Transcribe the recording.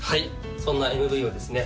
そんなＭＶをですね